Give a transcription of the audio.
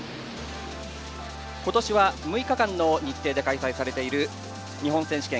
今年は６日間の日程で開催されている日本選手権。